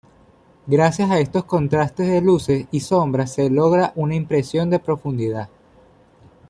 Gracias a estos contrastes de luces y sombras se logra una impresión de profundidad.